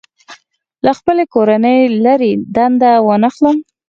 له خپلې کورنۍ لرې دنده وانخلم.